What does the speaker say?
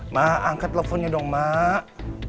mak angkat teleponnya dong mak